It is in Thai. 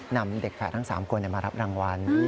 นำเด็กแฝดทั้ง๓คนมารับรางวัล